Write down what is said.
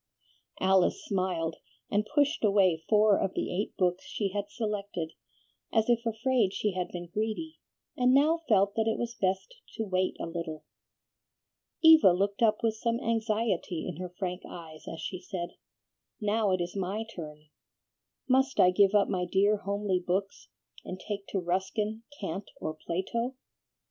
Alice smiled, and pushed away four of the eight books she had selected, as if afraid she had been greedy, and now felt that it was best to wait a little. Eva looked up with some anxiety in her frank eyes as she said, "Now it is my turn. Must I give up my dear homely books, and take to Ruskin, Kant, or Plato?"